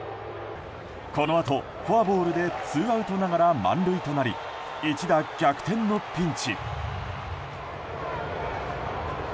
このあと、フォアボールでツーアウトながら満塁となり一打逆転のピンチ。